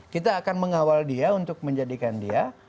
kita akan mengawal dia untuk menjadikan dia